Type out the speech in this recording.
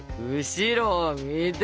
後ろを見て！